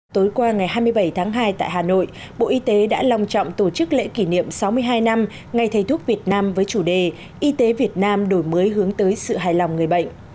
tối qua ngày hai mươi bảy tháng hai tại hà nội bộ y tế đã lòng trọng tổ chức lễ kỷ niệm sáu mươi hai năm ngày thầy thuốc việt nam với chủ đề y tế việt nam đổi mới hướng tới sự hài lòng người bệnh